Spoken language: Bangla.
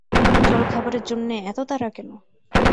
জলখাবারের জন্যে এত তাড়া কেন!